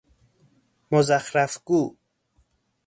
مزخرف گو